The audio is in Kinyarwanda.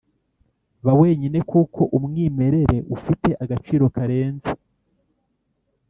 ba wenyine kuko umwimerere ufite agaciro karenze